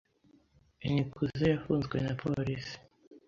Nikuze yafunzwe na polisi.